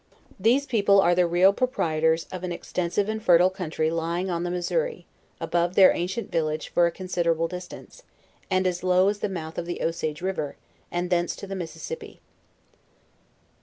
These people are the real proprietors of an ex tensive and fertile country lying on the Missouri, above their ancient village for a considerable distance, and as low as the mouth of the Osage river, and thence to the Mississippi.